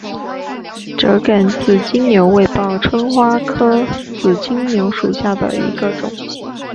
折梗紫金牛为报春花科紫金牛属下的一个种。